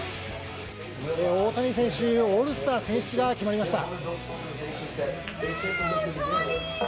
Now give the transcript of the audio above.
大谷選手、オールスター選出が決まりました。